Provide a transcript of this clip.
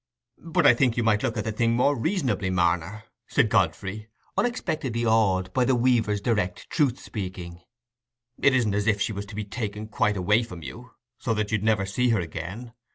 "But I think you might look at the thing more reasonably, Marner," said Godfrey, unexpectedly awed by the weaver's direct truth speaking. "It isn't as if she was to be taken quite away from you, so that you'd never see her again.